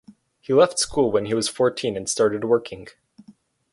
He left school when he was fourteen and started working.